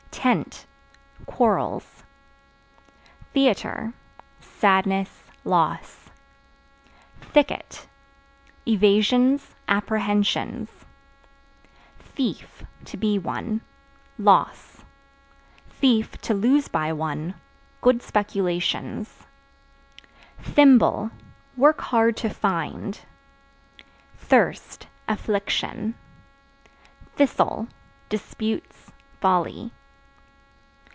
Tent Quarrels. Theater Sadness, loss. Thicket Evasions, apprehensions. Thief (To be one) loss; (to lose by one) good speculations. Thimble Work hard to find. Thirst Affliction. Thistle Disputes, folly.